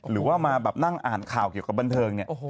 หรือว่ามาแบบนั่งอ่านข่าวเกี่ยวกับบันเทิงเนี่ย